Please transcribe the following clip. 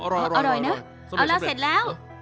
อร่อยเนอะเอาล่ะเสร็จแล้ว